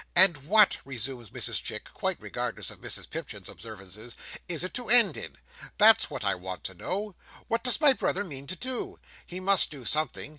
"And what," resumes Mrs Chick, quite regardless of Mrs Pipchin's observations, "is it to end in? That's what I want to know. What does my brother mean to do? He must do something.